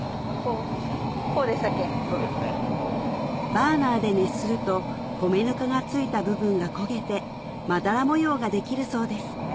バーナーで熱すると米ぬかが付いた部分が焦げてまだら模様ができるそうですえ